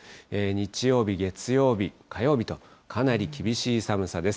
日曜日、月曜日、火曜日と、かなり厳しい寒さです。